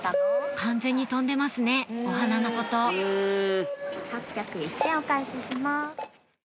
完全に飛んでますねお花のこと８０１円お返しします。